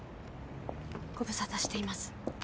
ご無沙汰しています。